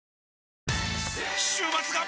週末が！！